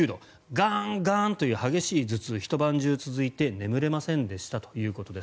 ガーン、ガーンという激しい頭痛がひと晩中続いて眠れませんでしたということです。